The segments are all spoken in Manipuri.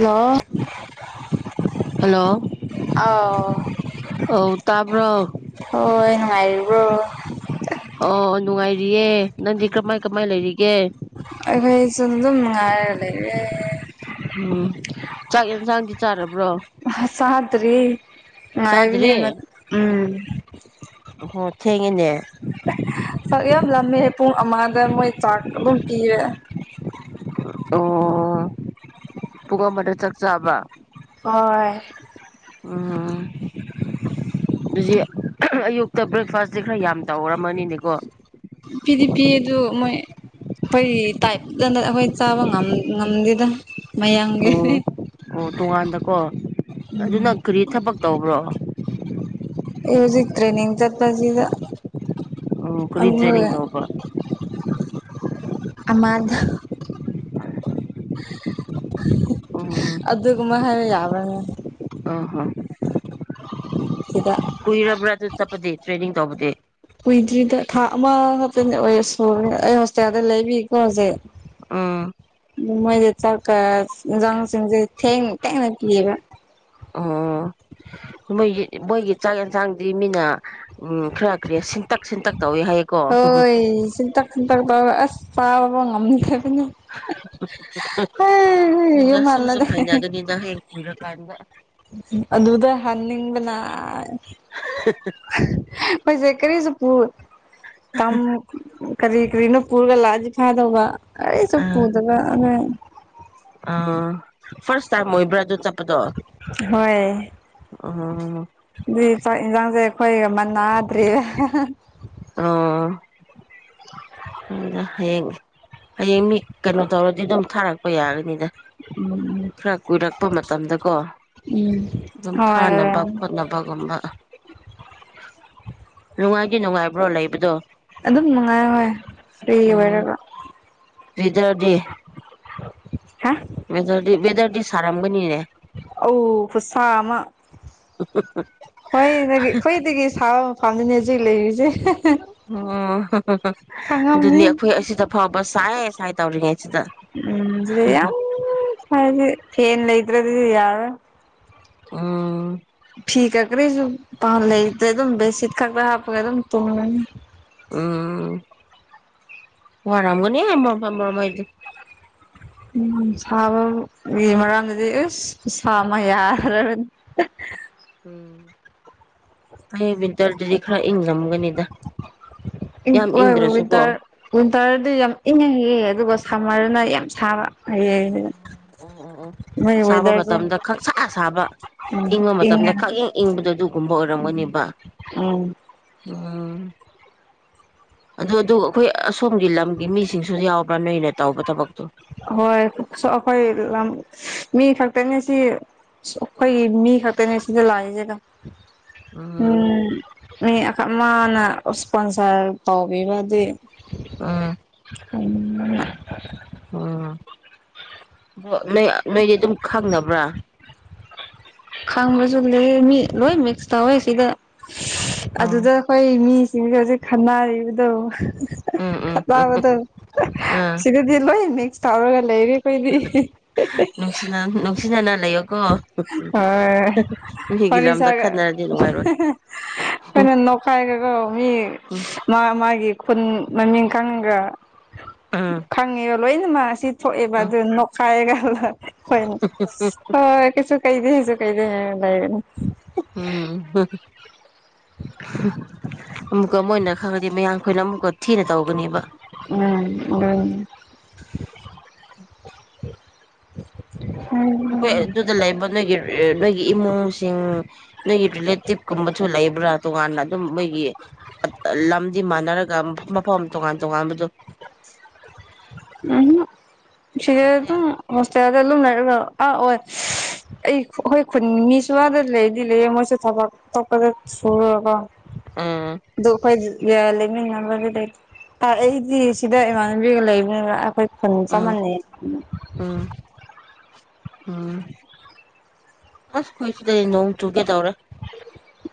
ꯍꯜꯂꯣ ꯍꯜꯂꯣ ꯑꯥꯎ ꯑꯧ ꯇꯥꯕ꯭ꯔꯣ ꯍꯣꯏ [unintelligible] ꯑꯣ ꯅꯨꯡꯉꯥꯏꯔꯤꯌꯦ ꯅꯪꯗꯤ ꯀꯃꯥꯏ ꯀꯃꯥꯏ ꯂꯩꯔꯤꯒꯦ? ꯑꯩꯈꯩ ꯆ ꯗꯨꯝ ꯅꯨꯉꯥꯏꯔ ꯂꯩꯔꯦ꯫ ꯎꯝ ꯆꯥꯛ ꯌꯦꯟꯁꯥꯡꯗꯤ ꯆꯥꯔꯕ꯭ꯔꯣ ꯍꯥ ꯆꯥꯇ꯭ꯔꯤ ꯉꯥꯏꯕꯤꯅꯦ ꯆꯥꯗ꯭ꯔꯤ ꯃ ꯎꯝ ꯍꯣ ꯊꯦꯡꯉꯦꯅꯦ ꯆꯥꯛ ꯌꯥꯝ ꯂꯃꯦ ꯄꯨꯡ ꯑꯃꯒ ꯃꯣꯏ ꯆꯥꯛ ꯑꯗꯨꯝ ꯄꯤꯔ ꯑꯣ ꯄꯨꯡ ꯑꯃꯗ ꯆꯥꯛ ꯆꯥꯕ ꯍꯣꯏ [unintelligible] ꯗꯨꯖꯤ ꯑꯌꯨꯛꯇ ꯕ꯭ꯔꯦꯛꯐꯥꯁꯇꯤ ꯈꯔ ꯌꯥꯝ ꯇꯧꯔꯝꯃꯅꯤꯅꯦꯀꯣ ꯄꯤꯗꯤ ꯄꯤ ꯑꯗꯨ ꯃꯣꯏ ꯈꯣꯏ ꯇꯥꯏꯞꯇ ꯑꯈꯣꯏ ꯆꯥꯕ ꯉꯝ ꯉꯝꯗꯦꯗ ꯃꯌꯥꯝꯒꯤ ꯑꯣ ꯑꯣ ꯇꯣꯉꯥꯟꯗꯀꯣ ꯑꯗꯨꯅ ꯀꯔꯤ ꯊꯕꯛ ꯇꯧꯕ꯭ꯔꯣ? [inaudible] ꯑꯩ ꯍꯨꯖꯤꯛ ꯇ꯭ꯔꯦꯅꯤꯡ ꯆꯠꯄꯁꯤꯗ ꯑꯣ ꯀꯔꯤ ꯇ꯭ꯔꯦꯅꯤꯡ ꯑꯃ ꯇꯧꯕ? ꯑꯃꯗ ꯎꯝ ꯍ ꯑꯗꯨꯒꯨꯝꯕ ꯍꯥꯏꯕ ꯌꯥꯕꯅꯦ ꯑꯍꯣ ꯁꯤꯗ ꯀꯨꯏꯔꯕ꯭ꯔꯥ ꯑꯗꯨ ꯆꯠꯄꯗꯤ ꯇ꯭ꯔꯦꯅꯤꯡ ꯇꯧꯕꯗꯤ ꯀꯨꯏꯗ꯭ꯔꯤꯗ ꯊꯥ ꯑꯃꯈꯛꯇ [unintelligible] ꯂꯩꯕꯤꯀꯣ ꯍꯧꯖꯤꯛ ꯎꯝ ꯃꯣꯏꯖꯦ ꯆꯛꯀ ꯏꯟꯖꯥꯡꯁꯤꯡꯁꯦ ꯊꯦꯡ ꯊꯦꯡꯅ ꯄꯤꯌꯦꯕ꯫ ꯑꯣ ꯃꯣꯏꯒꯤ ꯃꯣꯏꯒꯤ ꯆꯥꯛ ꯌꯦꯟꯁꯥꯡꯗꯤ ꯃꯤꯅ ꯈꯔ ꯀꯔꯤ ꯁꯤꯟꯇꯛ ꯁꯤꯟꯇꯛ ꯇꯧꯋꯦ ꯍꯥꯏꯌꯦꯀꯣ ꯍꯣꯏ ꯁꯤꯟꯇꯛ ꯁꯤꯟꯇꯛ ꯇꯧꯔꯒ ꯑꯁ ꯆꯥꯕꯐꯧ ꯉꯝꯗꯕꯅꯤ [unintelligible] ꯍꯣꯏꯗ ꯁꯨꯝ ꯁꯨꯝ ꯍꯜꯂꯒ ꯍꯩꯅꯒꯅꯤꯗ ꯍꯌꯦꯡ ꯀꯨꯏꯔꯀꯥꯟꯗ꯫ ꯑꯗꯨꯗ ꯍꯥꯟꯅꯤꯡꯕꯅ ꯃꯣꯏꯁꯦ ꯀꯔꯤꯁꯨ [unintelligible] ꯀꯥꯝ ꯀꯔꯤ ꯀꯔꯤꯅꯣ ꯄꯨꯔꯒ ꯂꯥꯛꯑꯗꯤ ꯐꯥꯗꯧꯕ [unintelligible] ꯑ ꯐꯥꯔꯁ ꯇꯥꯏꯝ ꯑꯣꯏꯕ꯭ꯔꯥ ꯑꯗꯨ ꯆꯠꯄꯗꯣ ꯍꯣꯏ ꯑꯣ ꯑꯗꯨꯏ ꯆꯥꯛ ꯑꯦꯟꯖꯥꯡꯖꯦ ꯈꯣꯏꯒ ꯃꯥ ꯅꯥꯗꯔ꯭ꯦ ꯑꯣ [unintelligible] ꯍꯌꯦꯡ ꯍꯌꯦꯡ ꯃꯤ ꯀꯩꯅꯣ ꯇꯧꯔꯗꯤ ꯗꯨꯝ ꯊꯥꯔꯛꯄ ꯌꯥꯒꯅꯤꯗ꯫ ꯈꯔ ꯀꯨꯏꯔꯛꯄ ꯃꯇꯝꯗꯀꯣ ꯑꯗꯨꯝ ꯍꯣꯏ ꯊꯥꯅꯕ ꯈꯣꯠꯅꯕꯒꯨꯝꯕ [inaudible] ꯅꯨꯡꯉꯥꯏꯗꯤ ꯅꯨꯡꯉꯥꯏꯕ꯭ꯔꯣ ꯂꯩꯕꯗꯣ? ꯑꯗꯨꯝ ꯅꯨꯡꯉꯥꯏ ꯍꯣꯏ ꯐ꯭ꯔꯤ ꯎꯝ ꯑꯣꯏꯔꯒ ꯋꯦꯗꯔꯗꯤ ꯍꯥ ꯕꯦꯗꯔꯗꯤ ꯕꯦꯗꯔꯗꯤ ꯁꯥꯔꯝꯒꯅꯤꯅꯦ ꯑ ꯈꯨꯁꯥ ꯑꯃ ꯍꯣꯏꯗꯒꯤ ꯑꯩꯈꯣꯏꯗꯒꯤ ꯁꯥꯕ ꯃꯐꯝꯗꯅꯦ ꯍꯧꯖꯤꯛ ꯂꯩꯔꯤꯁꯦ ꯑꯣ ꯈꯪꯉꯝꯅꯤ ꯑꯗꯨꯅꯤ ꯑꯩꯈꯣꯏ ꯑꯁꯤꯗ ꯐꯥꯎꯕ ꯁꯥꯏ ꯁꯥꯏ ꯇꯧꯔꯤꯉꯩ ꯎꯝ ꯍꯥꯏꯗꯤ ꯐꯅ ꯂꯩꯇ꯭ꯔꯦ ꯑꯗꯨꯗꯤ ꯌꯥꯔ ꯑ ꯐꯤ ꯈꯛꯔꯤꯁꯨ ꯄ ꯂꯩꯗ꯭ꯔꯦ ꯑꯗꯨꯝ ꯕꯦꯠꯁꯤꯠ ꯈꯛꯇ ꯍꯥꯞꯄꯒ ꯑꯗꯨꯝ ꯇꯣꯡꯉꯅꯤ ꯎꯝ ꯋꯥꯔꯝꯒꯅꯤ ꯃꯔ ꯐ ꯃꯔꯔꯗꯤ ꯎꯝ ꯁꯥꯕꯒꯤ ꯃꯔꯝꯗꯗꯤ ꯑꯁ ꯁꯥꯃ ꯌꯥꯗ꯭ꯔꯕꯅꯤ ꯎꯝ ꯍꯌꯦꯕꯤꯇꯔꯗꯨꯗꯤ ꯈꯔ ꯏꯪꯉꯝꯒꯅꯤꯗ ꯌꯥꯝ ꯍ ꯍ ꯏꯪꯗ꯭ꯔꯁꯨꯀꯣ ꯋꯤꯟꯇꯔ ꯋꯤꯟꯇꯔꯗꯤ ꯌꯥꯝ ꯏꯪꯉ ꯍꯦ ꯑꯗꯨꯒ ꯁꯝꯃꯔꯅ ꯌꯥꯝ ꯁꯥꯕ ꯍ ꯑꯣ ꯑꯣ ꯑꯣ ꯑꯣ ꯁꯥꯕ ꯃꯇꯝꯗ ꯈꯪꯁꯥ ꯁꯥꯕ ꯎꯝ ꯏꯪꯕ ꯃꯇꯝꯗ ꯏꯪꯉꯦ ꯈꯛꯪ ꯏꯪꯕꯗꯣ ꯑꯗꯨꯒꯨꯝꯕ ꯑꯣꯏꯔꯝꯒꯅꯦꯕ ꯎꯝ ꯑ ꯑꯗꯨ ꯑꯗꯨ ꯑꯩꯈꯣꯏ ꯑꯁꯣꯝꯒꯤ ꯂꯝꯒꯤ ꯃꯤꯁꯤꯡꯁꯨ ꯌꯥꯎꯕ꯭ꯔꯥ ꯅꯣꯏꯅ ꯇꯧꯕ ꯊꯕꯛ ꯍꯣꯏ ꯑꯩꯈꯣꯏ ꯂꯝ ꯃꯤ ꯈꯛꯇꯅꯦ ꯁꯤ ꯑꯩꯈꯣꯏꯒꯤ ꯃꯤ ꯈꯛꯇꯅꯦ ꯁꯤꯗ ꯂꯥꯛꯏꯁꯤꯦꯒ ꯎꯝ [unintelligible] ꯞ ꯃꯥꯅ ꯏꯁꯄꯣꯟꯁꯔ ꯇꯥꯎꯕꯤꯕꯗꯤ ꯑꯥ ꯎꯝ ꯑ ꯅꯣꯏ ꯅꯣꯏꯗꯤ ꯑꯗꯨꯝ ꯈꯪꯅꯕ꯭ꯔꯥ ꯈꯪꯕꯁꯨ ꯂꯩ ꯃꯤ ꯂꯣꯏ ꯃꯤꯛꯁ ꯇꯧꯋꯦ ꯁꯤꯗ ꯎꯝ ꯑꯗꯨꯗ ꯑꯩꯈꯣꯏ ꯃꯤ ꯁꯤꯒꯁ ꯈꯟꯅꯔꯤꯕꯗꯣ ꯎꯝ ꯎꯝ ꯎꯝ ꯕꯗꯣ ꯑꯥ ꯁꯤꯗꯗꯤ ꯂꯣꯏ ꯃꯤꯛꯁ ꯇꯧꯔꯒ ꯂꯩꯔꯤ ꯀꯣꯏꯗꯤ ꯅꯨꯡꯁꯤꯅ ꯅꯨꯡꯁꯤꯅꯅ ꯂꯩꯌꯣꯀꯣ ꯑꯣ ꯃꯤꯒꯤ ꯂꯝꯗ ꯐꯔꯤꯁꯒ ꯈꯠꯅꯔꯗꯤ ꯅꯨꯡꯉꯥꯏꯔꯣꯏ ꯐ ꯎꯝ ꯈꯥꯏꯒ ꯃꯤ ꯎꯝ ꯃꯥꯒꯤ ꯈꯨꯟ ꯃꯃꯤꯡ ꯪꯒ ꯎꯝ ꯈꯪꯉꯦꯕ ꯂꯣꯏꯅꯃꯛ ꯑꯁꯤ ꯊꯣꯛꯑꯦꯕ ꯑꯗꯨ ꯅꯣꯛꯈꯥꯏꯔꯒ ꯎ ꯎ ꯀꯁꯨ ꯀꯩꯗꯦꯁꯨ ꯀꯩꯗꯦꯦ ꯂꯩ ꯎꯝ ꯑꯃꯨꯛꯀ ꯃꯣꯏꯅ ꯈꯪꯉꯗꯤ ꯃꯌꯥꯝꯈꯣꯏꯅ ꯑꯃꯨꯛꯀ ꯊꯤꯅ ꯇꯧꯒꯅꯦꯕ ꯎꯝ ꯎ ꯑꯗꯨꯗꯨꯗꯂꯕꯟꯒꯦꯔ ꯅꯣꯏꯒꯤ ꯏꯃꯨꯡꯁꯤꯡ ꯅꯣꯏꯒꯤ ꯔꯤꯂꯦꯇꯤꯞ ꯀꯨꯝꯕꯁꯨ ꯂꯩꯕ꯭ꯔꯥ ꯇꯣꯉꯥꯟꯅ ꯑꯗꯨꯝ ꯃꯣꯏꯒꯤ ꯂꯝꯗꯤ ꯃꯥꯟꯅꯔꯒ ꯃꯐꯝ ꯇꯣꯉꯥꯟ ꯇꯣꯉꯥꯟꯕꯗꯨ ꯎ ꯁꯤꯠꯇ ꯂꯩꯇꯦ ꯍꯁꯦ ꯌꯥ ꯑ ꯂꯨꯝꯅꯔ ꯑꯥ ꯑꯣꯏ ꯑꯩ ꯑꯩꯈꯣꯏ ꯈꯨꯟ ꯃꯤꯁꯨ ꯋꯥꯗ ꯂꯩꯗꯤ ꯂꯩꯌꯦꯦ ꯃꯣꯏꯁꯨ ꯊꯕꯛ ꯇꯄꯗ ꯁꯨꯔꯒ ꯎꯝ ꯑꯗꯨ ꯑꯩꯈꯣꯏ ꯌꯥ ꯂꯩꯃꯤꯟꯅꯅꯕꯒꯤ ꯂꯩꯇ ꯑꯩꯗꯤ ꯁꯤꯗ ꯏꯃꯥꯟꯅꯕꯤꯒ ꯂꯩꯕꯅꯦꯕ ꯑꯩꯈꯣꯏ ꯈ ꯎꯝ ꯆꯃꯅꯤꯅꯦ ꯎꯝ ꯎꯝ ꯑꯁ ꯀꯣꯏꯁꯨꯗ ꯅꯣꯡ ꯆꯨꯒꯦ ꯇꯧꯔꯦ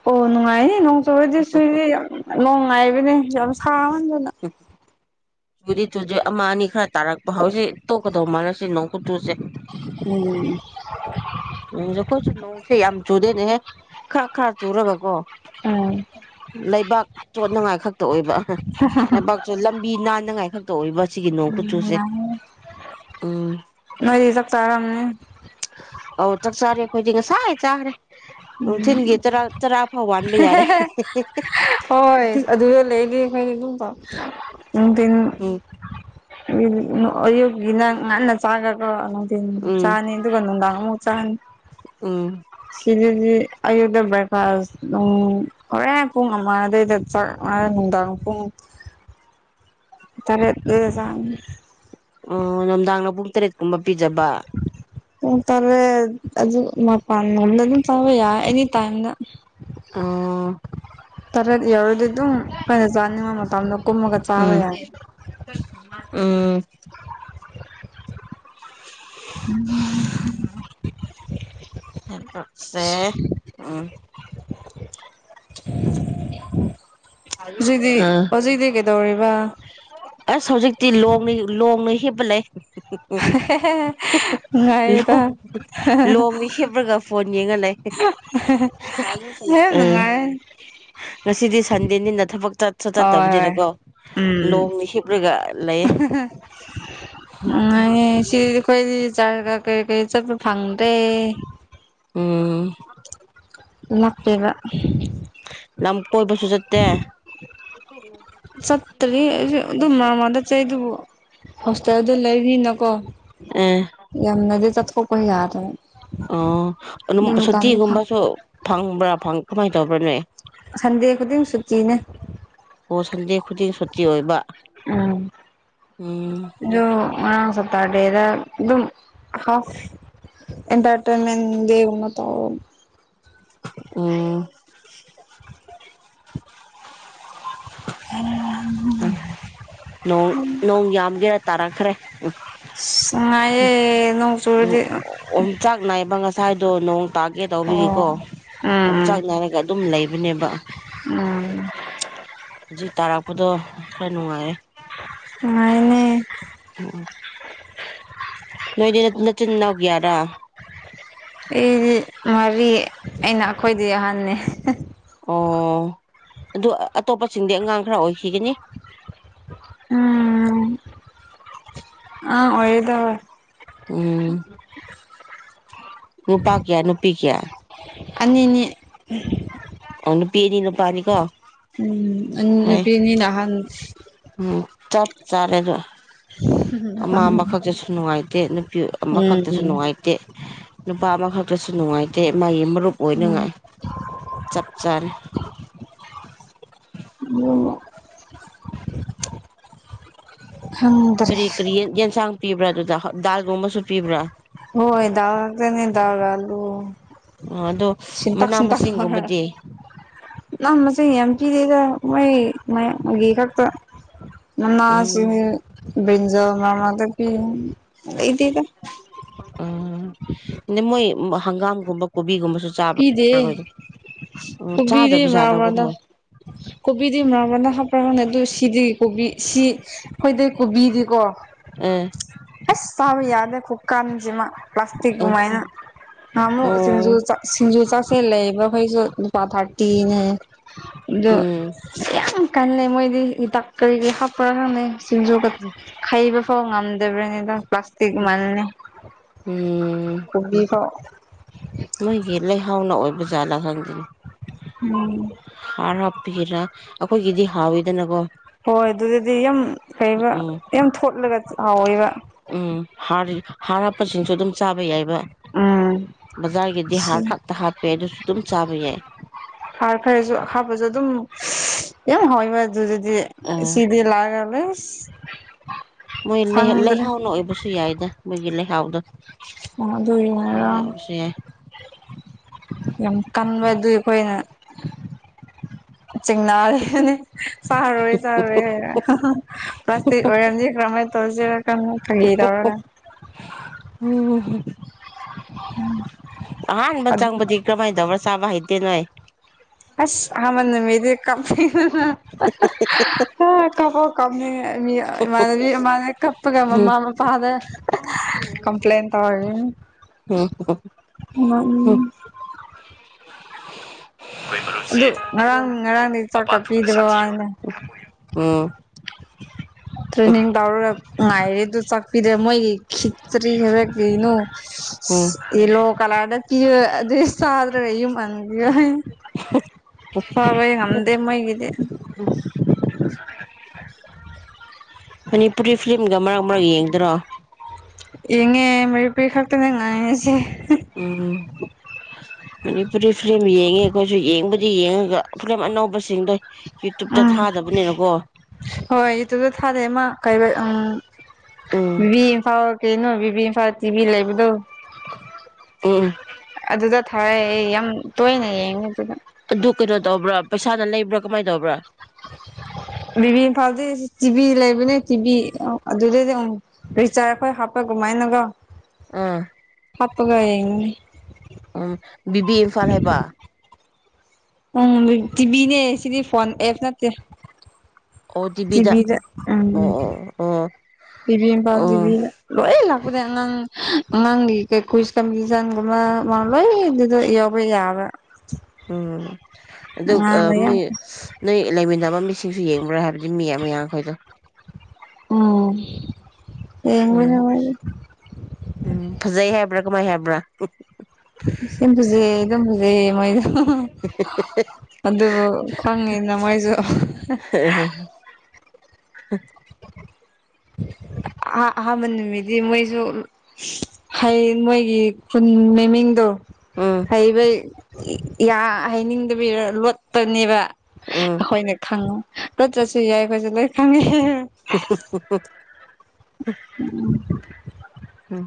ꯑꯣ ꯅꯨꯡꯉꯥꯏꯌꯦ ꯅꯣꯡ ꯆꯕꯩꯗꯤ ꯁꯨꯏꯗꯦ ꯅꯣꯡꯉꯥꯏꯕꯅꯦ ꯌꯥꯝ ꯁꯥ ꯗꯅ ꯆꯨꯗꯤ ꯆꯨꯖꯤꯦ ꯑꯃ ꯑꯅꯤ ꯈꯔ ꯇꯥꯔꯛꯄ ꯍꯧꯥꯎꯁꯤ ꯇꯣꯛꯀꯗꯧ ꯃꯥꯜꯂ ꯁꯤ ꯅꯣꯡꯀꯨ ꯆꯨꯁꯦ ꯎꯝ ꯎꯝ ꯑꯩꯈꯣꯏꯁꯨ ꯅꯣꯡꯁꯦ ꯌꯥꯝ ꯆꯨꯗꯦꯅꯦꯍꯦ ꯈꯔ ꯈꯔ ꯆꯔꯕ ꯀꯣ ꯎꯝ ꯂꯩꯕꯥꯛ ꯆꯣꯠꯅꯉꯥꯏ ꯈꯛꯇ ꯑꯣꯏꯕ ꯂꯩꯕꯥꯛꯇ‌ꯦ ꯂꯝꯕꯤ ꯅꯥꯟꯅꯉꯥꯏ ꯈꯛꯇ ꯑꯣꯏꯕ ꯁꯤꯒꯤ ꯅꯣꯡ ꯀꯨꯆꯨꯁꯦ ꯅꫭꯏꯗꯤ ꯆꯥꯛ ꯆꯔꯝꯃꯅꯤ ꯑꯧ ꯆꯥꯛ ꯆꯥꯔꯦ ꯑꯈꯣꯏꯗꯤ ꯁꯥꯏ ꯆꯥꯈꯔ‌ꯦ ꯎꯝ ꯅꯨꯡꯊꯤꯟꯒꯤ ꯆꯔꯥ ꯐꯥꯎ ꯋꯥꯟꯕ ꯌꯥꯔꯦ ꯐꯒꯝ ꯄꯥꯎ ꯎ ꯎꯝ [unintelligible] ꯏ ꯏꯛ ꯅꯪ ꯉꯅ ꯆꯒꯒ [unintelligible] ꯅꯨꯡꯗꯤꯟ ꯎꯝ ꯆꯥꯅꯤ ꯑꯗꯨꯒ ꯅꯨꯡꯗꯥꯡ ꯑꯍꯨꯛ ꯆꯅꯤ ꯎꯝ ꯁꯤꯗꯤꯗꯤ ꯑꯌꯨꯛꯇ ꯕ꯭ꯔꯦꯛꯐꯥꯁ ꯑꯗꯨꯝ ꯍꯣꯔꯦꯟ ꯄꯨꯡ ꯑꯃ ꯑꯗꯩꯗ ꯆꯥꯛ ꯍꫭꯔ‌ꯦꯟ ꯅꯨꯡꯗꯥꯡ ꯄꯨꯡ ꯇꯔꯦꯠꯇꯒ ꯆꯅꯤ ꯑꯣ ꯅꯨꯡꯗꯥꯡꯅ ꯄꯨꯡ ꯇꯔꯦꯠꯀꯨꯝꯕ ꯄꯤꯖꯕ ꯄꯨꯡ ꯇꯥꯔꯦꯠ ꯑꯗꯨ ꯃꯄꯥꯟ ꯂꯣꯝꯗ ꯑꯗꯨꯝ ꯆꯥꯕ ꯌꯥꯏ ꯑꯦꯅꯤ ꯇꯥꯏꯝꯗ ꯑ [unintelligible] [inaudible] ꯇꯔꯦꯠ ꯌꯥꯎꯔꯗꯤ ꯑꯗꯨꯝ ꯑꯈꫭꯏꯅ ꯆꯥꯅꯤꯡꯕ ꯃꯇꯝꯗꯣ ꯀꯨꯝꯃꯒ ꯆꯥꯕ ꯎꯝ ꯌꯥꯏ ꯎꯝ ꯎꯝ [unintelligible] ꯁꯦ ꯎꯝ ꯍꯧꯖꯤꯛꯇꯤ ꯎꯝ ꯍꯧꯖꯤꯛꯇꯤ ꯀꯩꯗꯧꯔꯤꯕ ꯑꯁ ꯍꯧꯖꯤꯛꯇꯤ ꯂꯣꯡ ꯂꯣꯡꯅ ꯍꯤꯞꯄꯥ‌ ꯂꯩ ꯎ ꯎ ꯅꯨꯡꯉꯥꯏꯌꯦꯗ ꯂꯣꯡ ꯂꯣꯡ ꯍꯦꯕ꯭ꯔꯒ ꯐꯣꯟ ꯌꯦꯡꯉꯥ ꯂꯩ ꯌꯥꯝ ꯅꯨꯡꯉꯥꯏ ꯉꯁꯤꯗꯤ ꯁꯟꯗꯦꯅꯤꯅ ꯊꯕꯛ ꯆꯠꯁꯨ ꯍꯣꯏ ꯍꯣꯏ ꯆꯠꯇꯕꯅꯤꯅꯀꯣ ꯎꯝ ꯂꯣꯡꯅ ꯍꯤꯞꯂꯒ ꯂꯩꯌꯦ ꯁꯤ ꯀꯣꯏ ꯆ [unintelligible] ꯀꯩ ꯀꯩ ꯆꯠꯄꯥ ꯐꯪꯗꯦ ꯎꯝ ꯂꯥꯞꯄꯦꯕ ꯂꯝ ꯀꯣꯏꯕꯁꯨ ꯆꯠꯇꯦ ꯆꯠꯇ꯭ꯔꯤ ꯑꯗꯨꯝꯃꯃꯥꯗ ꯆ ꯆꯩꯗꯨꯕꯨ ꯍꯣꯁꯇꯦꯜꯗ ꯂꯩꯔꯤꯅꯀꯣ ꯑꯦ ꯌꯥꯝꯅꯗꯤ ꯆꯠꯊꯣꯛꯄ ꯌꯥ ꯑꯣ ꯑꯗꯨꯝ ꯃꯇꯝꯗꯣ ꯐꯪ ꯁꯨꯇꯤꯒꯨꯝꯕꯁꯨ ꯐꯪꯕ꯭ꯔꯥ ꯀꯃꯥꯏꯅ ꯇꯧꯕ꯭ꯔꯥ ꯅꯣꯏ ꯁꯟꯗꯦ ꯈꯨꯗꯤꯡ ꯁꯨꯇꯤꯅꯦ ꯑꯣ ꯁꯟꯗꯦ ꯈꯨꯗꯤꯡ ꯁꯨꯇꯤ ꯑꯣꯏꯕ ꯎꯝ ꯎꯝ ꯑꯗꯨ ꯉꯔꯥꯡ ꯁꯇꯥꯔ ꯗꯦꯗ ꯑꯗꯨ ꯑꯗꯨꯝ ꯍꯥꯐ ꯑꯦꯟꯇꯔꯇꯩꯟꯃꯦꯟꯦ ꯎꯅ ꯇ ꯎ [unintelligible] [inaudible] ꯅꯣꯡ ꯌꯥꯝꯒꯦꯔ ꯇꯥꯔꯛꯈ꯭ꯔꯦ ꯑꯁ ꯅꯨꯡꯉꯥꯏꯌꯦ ꯅꯣꯡ ꯆꯨꯔꯗꯤ ꯑꫭꯝ ꯆꯥꯛ ꯅꯏ ꯉꯁꯤ ꯁ꯭ꯋꯥꯏꯗꯣ ꯅꯣꯡ ꯇꯥꯒꯦ ꯑꯣ ꯇꯧꯕꯤꯒꯦꯀꯣ ꯑꫭꯝ ꯎꯝ ꯆꯥꯛ ꯅꯥꯏꯔꯒ ꯑꯗꯨꯝ ꯂꯩꯕꯅꯦꯕ ꯎꯝ ꯍꯧꯖꯤꯛ ꯇꯥꯔꯛꯄꯗꯣ ꯈꯔ ꯅꯨꯡꯉꯥꯏꯌꯦ ꯅꯨꯉꯥꯏꯅꯤ ꯎꯝꯝ ꯅꯣꯏꯗꯤ ꯅꯆꯤꯟ ꯅꯅꯥꯎꯀꯩꯌꯔꯥ ꯑꯩꯗꯤ ꯃꯔꯤ ꯑꯩꯅ ꯑꯩꯈꯣꯏꯗꯤ ꯑꯍꯟꯅꯤ ꯑꯣ ꯑꯗꯨ ꯑꯇꯣꯞꯄꯁꯤꯡꯗꯤ ꯑꯉꯥꯡ ꯈꯔ ꯑꯣꯏꯈꯤꯒꯅꯤ ꯎꯝ ꯑꯉꯥꯡ ꯑꯣꯏꯗꯕ ꯎꯝ ꯅꯨꯄꯥ ꯀꯌꯥ ꯅꯨꯄꯤ ꯀꯌꯥ ꯑꯅꯤꯅꯤ ꯑꯣ ꯅꯨꯄꯤ ꯑꯅꯤ ꯅꯨꯄꯥꯅꯤꯀꯣ ꯎꯝ ꯎꯝ ꯐꯩ ꯄꯅꯤ ꯑꯍꯟ ꯎꯝ ꯆꯠ ꯆꯔ‌ꯦꯗꫭ ꯑꯃꯥ ꯑꯃꯈꯛꯇꯁꯨ ꯅꯨꯡꯉꯥꯏꯇꯦ ꯅꯨꯄꯤ ꯑꯃꯈꯛꯇꯁꯨ ꯎꯝ ꯅꯨꯡꯉꯥꯏꯇꯦ ꯅꯨꯄꯥ ꯑꯃꯥꯈꯛꯇꯁꯨ ꯅꯨꯡꯥꯏ ꯦ ꯃꯥꯒꯤ ꯃꯔꯨꯞ ꯎꯝ ꯑꯣꯏꯅꯉꯥꯏ ꯆꯞ ꯆꯥꯅ ꯌꯦ ꯀꯔꯤ ꯀꯔꯤ ꯌꯦꯟꯁꯥꯡ ꯄꯤꯕ꯭ꯔꯥ ꯑꯗꯨꯗ ꯗꯥꯜꯒꯨꯝꯕꯁꯨ ꯄꯤꯕ꯭ꯔꯥ ꯍꯣꯏ ꯗꯗꯥ ꯂꯥꯛꯅꯤ ꯗꯗꯥꯔꯂꯨ ꯑꯗꯣ ꯆꯤꯟꯇꯥꯛ ꯃꯅꯥ ꯆꯤꯟꯇꯥꯛ ꯅ ꯃꯁꯤꯡꯒꯨꯝꯕꯗꯤ ꯌꯥꯝꯦꯝ ꯀꯗꯗ ꯃ ꯃ ꯀꯛꯇ ꯃꯁꯤ ꯎꯝ ꯕꯤꯟꯖ ꯃꯥꯃꯗ ꯏꯗꯤꯒ ꯎꯝ ꯑ ꯃꯣꯏ ꯍꯪꯒꯥꯝꯒꯨꯝꯕ ꯀꯣꯕꯤꯒꯨꯝꯕ ꯄꯤꯗꯦ ꯎ ꯀꯣꯕꯤꯗꯤ ꯃꯔꯛ ꯆꯥꯗꯕꯖꯥꯠꯅꯕꯒꯨꯝ ꯃꯔꯛꯇ ꯃꯣꯏ ꯈꯔꯅꯦ ꯑꯗꯨ ꯁꯤꯗꯤ ꯀꯣꯕꯤ ꯁꯤ ꯑꯩꯈꯣꯏꯗ ꯀꯣꯕꯤꯗꯤꯀꯣ ꯑ ꯑꯁ ꯇꯕ ꯌꯥꯗꯦ ꯀꯨꯀꯥꯟꯁꯤꯃ ꯄ꯭ꯂꯥꯁꯇꯤ ꯑ ꯃꯥꯏꯅ ꯑꯃ ꯑꯣ ꯁꯤꯁꯤꯡꯖ ꯆ ꯆꯁ ꯂꯩꯕ ꯍꯁꯨꯄꯥ ꯊꯥꯔꯇꯅꯦ ꯑꯣ ꯎꯝ ꯌꯥꯝ ꯀꯜꯂꯩ ꯃꯣꯏꯗꯤ ꯍꯤꯇꯥꯛ ꯀꯔꯤꯒꯤꯩ ꯍꯥꯞꯄ꯭ꯔꯥ ꯍꯪꯅꯩ ꯁꯤꯡꯖꯨ ꯈꯩꯕ ꯐꯥꯎ ꯉꯝꯗꯕ꯭ꯔꯅꯤꯗ ꯄ꯭ꯂꯥꯁꯇꯤꯛ ꯃꯥꯜꯦ ꯎꯝ ꯃꯣꯏꯒꯤ ꯂꯩꯍꯥꯎꯅ ꯑꯣꯏꯕ ꯖꯥꯠꯂꯥ ꯈꯪꯁꯤꯅꯤ ꯎꯝ ꯍꯥꯔ ꯍꯥꯞꯄꯤꯒꯦꯔꯥ ꯑꯩꯈꯣꯏꯒꯤꯗꯤ ꯍꯥꯎꯋꯤꯗꯅꯀꯣ ꯍꯣꯏ ꯑꯗꯨꯗꯗꯤ ꯌꯥꯝ ꯀꯔꯤꯕ ꯎꯝ ꯌꯥꯝ ꯊꯣꯠꯂꯒ ꯍꯥꯎꯋꯦꯕ ꯍꯥ ꯍꯥꯔ ꯍꯥꯞꯄꯁꯤꯡꯁꯨ ꯑꯗꯨꯝ ꯆꯥꯕ ꯌꯥꯏꯕ ꯎꯝ ꯕꯖꯥꯔꯒꯤꯗꯤ ꯍꯥꯔ ꯈꯛꯇ ꯍꯥꯞꯄꯦ ꯑꯗꯨꯁꯨ ꯑꯗꯨꯝ ꯆꯥꯕ ꯌꯥꯏ ꯍꯥꯔ ꯈꯔꯁꯨ ꯑꯍꯥꯞꯄꯁꯨ ꯑꯗꯨꯝ ꯌꯥ ꯍꯕ ꯑꯗꯨꯗꯗꯤ ꯑꯥ ꯁꯤꯤꯗꯤ ꯂꯒꯂꯦ ꯃꯣꯏ ꯂꯩꯍꯥꯎꯅ ꯑꯣꯏꯕꯁꯨ ꯌꯥꯏꯗ ꯃꯣꯏꯒꯤ ꯂꯩꯍꯥꯎꯗꯣ ꯑꯣꯗ ꯑꯣꯏꯅꯔꯣ ꯌꯥꯎꯕꯁꯨ ꯌꯥꯏ ꯌꯥꯝ ꯀꯟꯕ ꯑꯗꯨ ꯑꯩꯈꯣꯏꯅ ꯆꯤꯡꯅꯔꯅꯤ ꯆꯥꯔꯣꯏ ꯆꯥꯔꯣꯏ ꯍꯥꯏꯔ ꯄ꯭ꯂꯥꯁꯇꯤꯛ ꯑꯣꯏꯔꯝꯁꯤꯈ꯭ꯔꯃꯦ ꯇꯧꯁꯤꯔ ꯀ ꯐꯩ ꯇꯧꯔꯒ ꯎꯝ ꯎꯝ ꯑꯍꯥꯟꯕ ꯆꯪꯕꯨꯗꯤ ꯀꯃꯥꯏꯅꯗꯧꯕꯔ ꯆꯥꯕ ꯍꯥꯏꯩꯇꯦꯅꯣꯣꯏ ꯑꯁꯅꯤ ꯃꯗꯤ ꯀ [unintelligible] ꯍ ꯀꯥꯄ ꯀꯞꯅꯤꯡ ꯏꯃꯥꯟꯅꯕꯤ ꯏꯃꯥꯟꯅ ꯀꯞꯄꯒ ꯎꯝ ꯃꯃꯥ ꯃꯄꯥꯗ ꯀꯝꯄ꯭ꯂꯦꯟꯟ ꯇꯋꯥ ꯎꯝ ꯍꯝ ꯑꯩꯈꯣꯏ ꯃꯔꯨꯞꯁꯤ ꯑꯗꯨ ꯉꯔꯥꯡ ꯉꯔꯥꯡꯗꯤ ꯆꯥꯛꯀ ꯃꯄꯥꯟ ꯊꯣꯡꯗ ꯄꯤꯗ꯭ꯔꯣ ꯁꯥꯊꯤꯕ ꯍꯥꯏꯅ ꯎꯝ ꯇ꯭ꯔꯦꯅꯤꯡ ꯇꯧꯔꯒ ꯉꯥꯏꯔꯦꯗꯨ ꯆꯥꯛꯄꯤꯔꯦ ꯃꯣꯏꯒꯤ ꯈꯤꯠꯇ꯭ꯔꯤ ꯍꯔ ꯀꯩꯅꯣ ꯎꯝ ꯂꯣ ꯀꯂꯥꯗ ꯄ ꯑꯗꯨ ꯁꯥꯗ꯭ꯔꯝ ꯃ ꯐꯕꯣꯏ ꯉꯗꯦ ꯃꯣꯏꯒꯤꯗꯦ [unintelligible] ꯃꯅꯤꯄꯨꯔꯤ ꯐꯤꯤꯂꯝꯒ ꯃꯔꯛ ꯃꯔꯛ ꯌꯦꯡꯗꯔꯣ ꯌꯦꯡꯉꯦ ꯃꯔꯤꯄꯨꯔꯤ ꯈꯛꯇꯅꯦ ꯉꯥꯏꯔꯤꯁꯦ ꯎꯝ ꯃꯅꯤꯄꯨꯔꯤ ꯐꯤꯂꯝ ꯌꯦꯡꯉꯦ ꯑꯩ ꯀꯣꯏꯁꯨ ꯌꯦꯡꯕ ꯗꯤ ꯌꯦꯡꯉꯒ ꯐꯂꯝ ꯑꯅꯧꯕꯁꯤꯡꯗꯣ ꯌꯨꯇꯨꯕꯇ ꯎꯝ ꯊꯥꯗꯕꯅꯤꯅꯀꯣ ꯍꯣꯏ ꯏꯇꯁꯨ ꯊꯥꯔꯦ ꯃꯥ ꯀ ꯎꯝ ꯏꯝꯐꯥꯎ ꯀꯩꯅꯣ ꯕꯤꯕꯤ ꯏꯝꯐꯥꯜ ꯇꯤꯚꯤ ꯂꯩꯕꯗꯣ ꯎꯝ ꯑꯗꯨꯗ ꯊꯔꯦ ꯑꯩ ꯌꯥꯝ ꯇꯣꯏꯅ ꯌꯦꯡꯉꯤꯗꯨꯗ ꯑꯗꯨ ꯀꯩꯅꯣ ꯇꯧꯕ꯭ꯔꯥ ꯄꯩꯁꯥꯅ ꯂꯩꯕ꯭ꯔꯥ ꯀꯃꯥꯏꯅ ꯇꯧꯕ꯭ꯔꯥ ꯕꯤꯕꯤ ꯏꯝꯐꯥꯜꯗꯤ ꯇꯤꯚꯤ ꯂꯩꯕꯅꯦ ꯇꯤꯚꯤ ꯑꯗꯨꯗꯩꯗꯤ ꯑꯃ ꯔꯤꯆꯥꯔꯖ ꯈꯔ ꯍꯥꯞꯄ ꯀꯃꯥꯏꯅꯒ ꯑꯥ ꯍꯥꯄꯒ ꯌꯦꯅꯤ ꯎꯝ ꯕꯤꯕꯤ ꯏꯝꯐꯥꯜ ꯍꯥꯏꯕ ꯎꯝ ꯇꯤꯚꯤꯅꯦ ꯁꯤꯗꯤ ꯐꯣꯟ ꯑꯦꯞ ꯅꯠꯇ ꯑꯣ ꯇꯤꯚꯤꯗ ꯇꯤꯕꯤꯤꯗ ꯎꯝ ꯎꯝ ꯑꯣ ꯑꯣ ꯑꯣ ꯇꯤꯚꯤ ꯏꯝꯐꯜ ꯑꯣ ꯇꯚꯤ ꯂꯣꯏ ꯂꯥꯛꯨꯗ ꯑꯉꯥꯡ ꯅꯪꯒꯤ ꯀꯩ ꯀꯨꯏꯁ ꯀꯝꯖꯟꯒꯨꯝꯕ ꯃꯥꯂꯣꯏ ꯑꯗꯨꯗ ꯌꯥꯎꯕ ꯌꯥꯕ꯭ꯔ ꯎꯝ ꯑꯗꯨ ꯌꯥꯝ ꯃꯣꯏ ꯅꯣꯏ ꯂꯩꯃꯤꯟꯅꯕ ꯃꯤ ꯏꯁꯤꯡꯁꯨ ꯌꯦꯡꯕ꯭ꯔꯥ ꯍꯥꯏꯕꯗꯤ ꯃꯤ ꯑꯃ ꯌꯥꯈꯣꯏꯗꯣ ꯎꯝ ꯌꯦꯡꯕꯅꯦ ꯎꯝ ꯃꯣꯏꯗꯣ ꯎꯝ ꯐꯖꯩ ꯍꯥꯏꯕ꯭ꯔꯥ ꯀꯃꯥꯏ ꯍꯥꯏꯕ꯭ꯔꯥ ꯕꯨꯖꯦꯝ ꯕꯨꯖꯦ ꯃꯣꯏ ꯑꯗꯨꯕꯨ ꯈꯪꯉꯤꯅ ꯃꯣꯏꯁꯨ ꯎ ꯑ ꯍꯥꯥ ꯃꯅꯤꯃꯤꯗꯤ ꯃꯣꯏꯁꯨ ꯍꯩ ꯃꯣꯏꯒꯤ ꯈꯨꯟ ꯃꯃꯤꯡꯗꯣ ꯎꯝ ꯍꯩꯕ ꯍꯩꯅꯤꯡꯗꯕꯤ ꯂꯣꯠꯄꯅꯦꯕ ꯎꯝ ꯑꯩꯈꯣꯏꯅꯦ ꯈꯪꯉꯨ ꯆꯠ ꯆꯠꯁꯨ ꯌꯥꯏ ꯑꯩꯈꯣꯏꯁꯨꯦ ꯂꯣꯏ ꯈꯪꯉꯦ [unintelligible] ꯎꯝ ꯎꯝ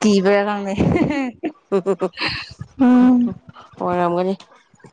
ꯀ ꯕꯔ ꯀ ꯎ ꯑꯣꯏꯔꯝꯒꯅꯤ